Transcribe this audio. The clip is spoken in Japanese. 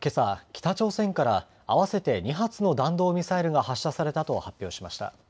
北朝鮮から合わせて２発の弾道ミサイルが発射されたと発表しました。